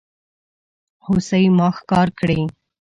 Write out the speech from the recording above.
هوسۍ ما ښکار کړي